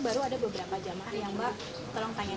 baru ada beberapa jamaah yang mbak tolong tanyain